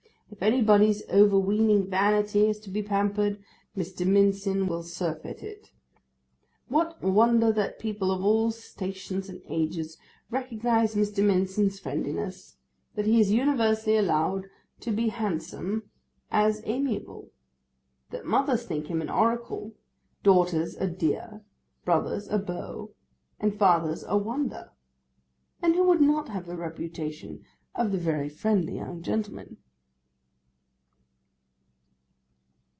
If anybody's overweening vanity is to be pampered, Mr. Mincin will surfeit it. What wonder that people of all stations and ages recognise Mr. Mincin's friendliness; that he is universally allowed to be handsome as amiable; that mothers think him an oracle, daughters a dear, brothers a beau, and fathers a wonder! And who would not have the reputation of the very friendly young gentleman?